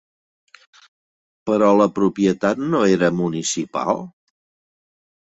Però la propietat no era municipal?